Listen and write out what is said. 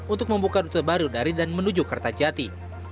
untuk membuka rute baru dari dan menuju kertajati